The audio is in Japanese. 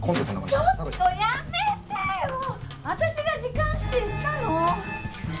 ちょっと、やめてよ！あたしが時間指定したの。